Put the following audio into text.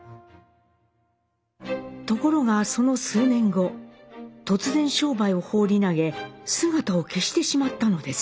ところがその数年後突然商売を放り投げ姿を消してしまったのです。